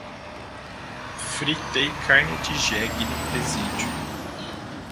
fritei carne de jegue no presídio